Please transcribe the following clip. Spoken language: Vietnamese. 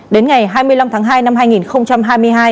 đến ngày hai mươi năm tháng hai năm hai nghìn hai mươi hai